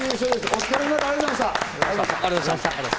お疲れさまです、ありがとうございました！